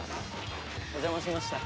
お邪魔しました。